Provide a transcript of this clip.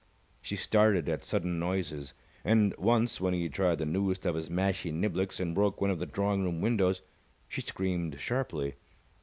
She started at sudden noises, and once, when he tried the newest of his mashie niblicks and broke one of the drawing room windows, she screamed sharply.